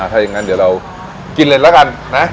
ถ้าอย่างนั้นเดี๋ยวเรากินเลยแล้วกันนะ